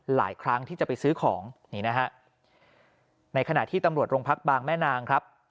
หลายครั้งที่จะไปซื้อของนี่นะฮะในขณะที่ตำรวจโรงพักบางแม่นางครับ